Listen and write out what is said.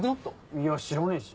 いや知らねえし。